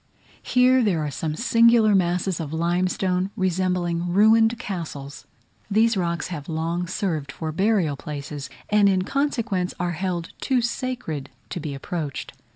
Here there are some singular masses of limestone, resembling ruined castles. These rocks have long served for burial places, and in consequence are held too sacred to be approached.